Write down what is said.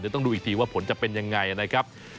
เดี๋ยวต้องดูอีกทีว่าผลจะเป็นยังไงนะครับ